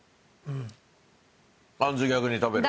あんず逆に食べる？